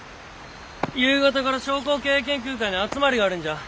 夕方から商工経営研究会の集まりがあるんじゃ。